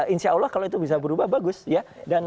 insya allah kalau itu bisa berubah bagus ya